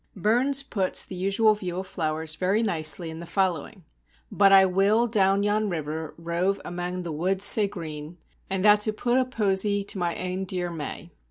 Burns puts the usual view of flowers very nicely in the following: "But I will down yon river rove amang the woods sae green, and a' to pu' a posie to my ain dear May."